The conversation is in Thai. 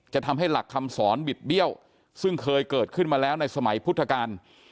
จะทำให้หลักคำสอนบิดเบี้ยวซึ่งเคยเกิดขึ้นมาแล้วในสมัยพุทธกาล